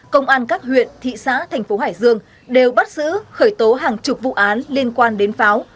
công an các huyện thị xã thành phố hải dương đều bắt giữ khởi tố hàng chục vụ án liên quan đến pháo